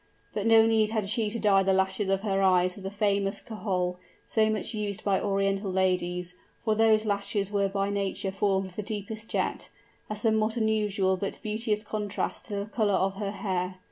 But no need had she to dye the lashes of her eyes with the famous kohol, so much used by Oriental ladies, for those lashes were by nature formed of the deepest jet a somewhat unusual but beauteous contrast with the color of her hair.